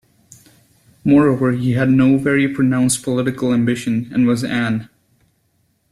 Moreover, he had no very pronounced political ambition, and was an.